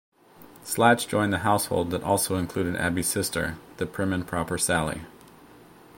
Slats joined the household that also included Abbie's sister, the prim and proper Sally.